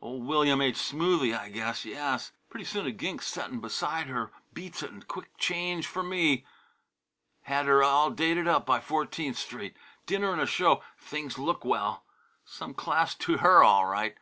Old William H. Smoothy, I guess yes. Pretty soon a gink setting beside her beats it, and quick change for me. Had her all dated up by Fourteenth Street. Dinner and a show, if things look well. Some class to her, all right.